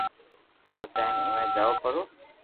پسو ھين ايوي جاوو پرو